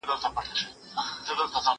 کوزه په دري چلي ماتېږي.